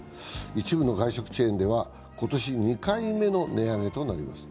一部の外食チェーンでは、今年２回目の値上げとなります。